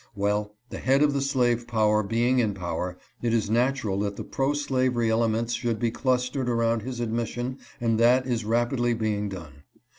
Well, the head of the slave power being in power, it is natural that the pro slavery elements should be clustered around his admission, and that is rapidly being done.